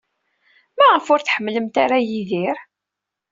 Maɣef ur tḥemmlemt ara Yidir?